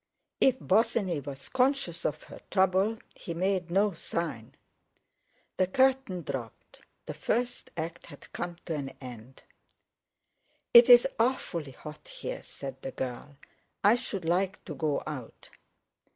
If Bosinney was conscious of her trouble he made no sign. The curtain dropped. The first act had come to an end. "It's awfully hot here!" said the girl; "I should like to go out."